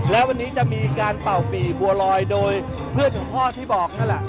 แล้ววันนี้จะมีการเป่าปีบัวลอยโดยเพื่อนของพ่อที่บอกนั่นแหละ